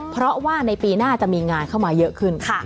เพราะว่าในปีหน้าจะมีงานเข้ามาเยอะขึ้น